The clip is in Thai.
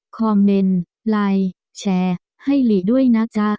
คอมเมนต์ไลน์แชร์ให้หลีด้วยนะจ๊ะ